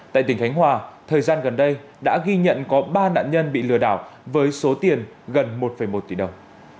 tại tỉnh khánh hòa thời gian gần đây đã ghi nhận có ba nạn nhân bị lừa đảo với số tiền gần một một tỷ đồng